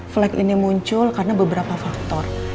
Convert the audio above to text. flag ini muncul karena beberapa faktor